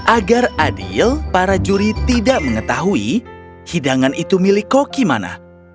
agar adil para juri tidak mengetahui hidangan itu milik koki mana